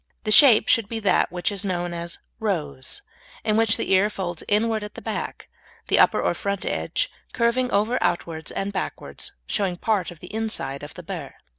The shape should be that which is known as "rose," in which the ear folds inward at the back, the upper or front edge curving over outwards and backwards, showing part of the inside of the burr.